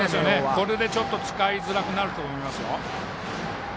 これで、ちょっと使いづらくなると思いますよ。